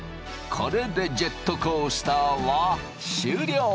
これでジェットコースターは終了。